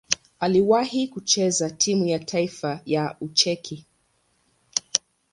Aliwahi kucheza timu ya taifa ya Ucheki.